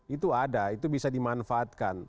itu ada itu bisa dimanfaatkan